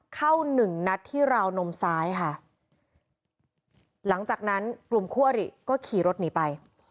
หนึ่งนัดที่ราวนมซ้ายค่ะหลังจากนั้นกลุ่มคู่อริก็ขี่รถหนีไป